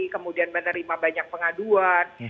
kemudian menerima banyak pengaduan